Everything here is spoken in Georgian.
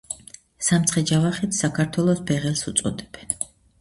სამცხე-ჯავახეთს საქართველოს ,,ბეღელს" უწოდებდნენ